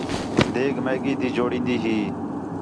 دیگ میگی تی جوڑین٘دی ہی